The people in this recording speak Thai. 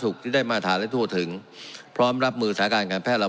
สาธารณสุขได้มารัฐฐานและทั่วถึงพร้อมรับมือสารการการแพทย์ระบาย